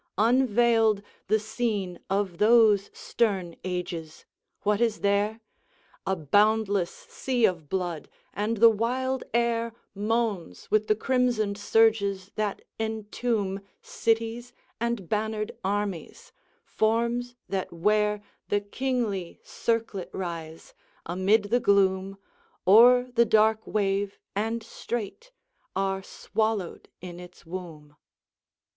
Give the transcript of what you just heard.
unveiled The scene of those stern ages! What is there? A boundless sea of blood, and the wild air Moans with the crimsoned surges that entomb Cities and bannered armies; forms that wear The kingly circlet rise, amid the gloom, O'er the dark wave, and straight are swallowed in its womb.